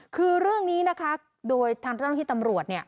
คือเรื่องนะคะโดยธรรมคุณตำรวจเนี้ย